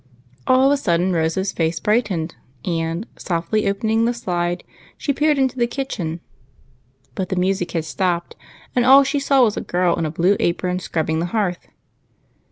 All of a sudden Rose's face brightened, and, softly opening the slide, she peered into the kitchen. But the music had stopped, and all she saw was a girl in a blue apron scrubbing the hearth.